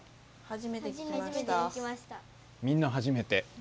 みんな初めて。